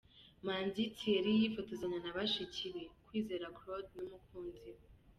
Manzi Thierry yifotozanya na bashiki be, Kwizera Claude n'umukunzi we.